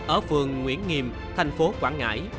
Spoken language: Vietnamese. ở phường nguyễn nghiêm thành phố quảng ngãi